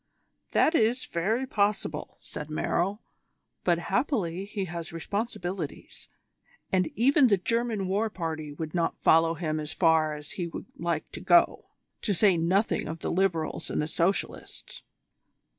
"That is very possible," said Merrill; "but happily he has responsibilities, and even the German war party would not follow him as far as he would like to go, to say nothing of the Liberals and the Socialists.